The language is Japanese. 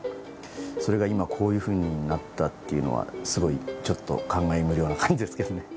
それが今こういうふうになったっていうのはすごいちょっと感慨無量な感じですけどね。